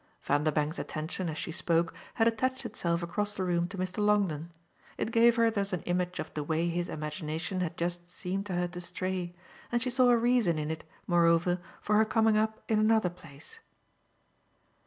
Vanderbank's attention, as she spoke, had attached itself across the room to Mr. Longdon; it gave her thus an image of the way his imagination had just seemed to her to stray, and she saw a reason in it moreover for her coming up in another place.